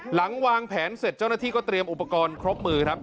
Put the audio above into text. หลังวางแผนเสร็จเจ้าหน้าที่ก็เตรียมอุปกรณ์ครบมือครับ